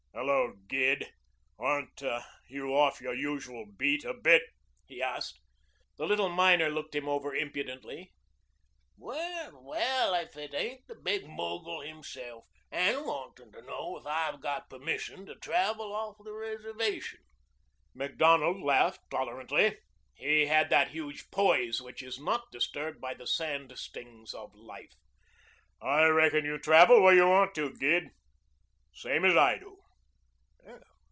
"Hello, Gid. Aren't you off your usual beat a bit?" he asked. The little miner looked him over impudently. "Well well! If it ain't the Big Mogul himself and wantin' to know if I've got permission to travel off the reservation." Macdonald laughed tolerantly. He had that large poise which is not disturbed by the sand stings of life. "I reckon you travel where you want to, Gid, same as I do."